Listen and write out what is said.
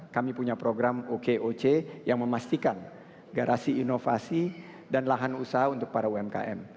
kami punya program okoc yang memastikan garasi inovasi dan lahan usaha untuk para umkm